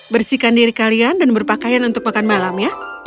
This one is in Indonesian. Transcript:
bersihkan diri kalian dan berpakaian untuk makan malam ya